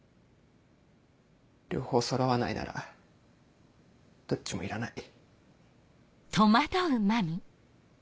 両方そろわないならどっちもいらない。